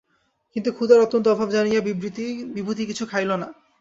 কিন্তু ক্ষুধার অত্যন্ত অভাব জানাইয়া বিভূতি কিছু খাইল না।